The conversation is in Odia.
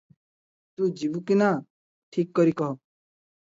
ତୁ ଯିବୁ କି ନାଁ, ଠିକ୍ କରି କହ ।